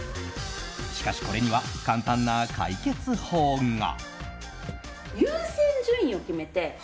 しかし、これには簡単な解決法が。